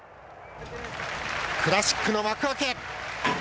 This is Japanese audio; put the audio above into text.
クラシックの幕開け。